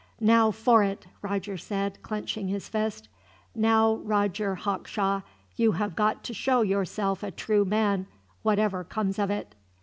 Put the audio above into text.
"Now for it," Roger said, clenching his fist. "Now, Roger Hawkshaw, you have got to show yourself a true man, whatever comes of it."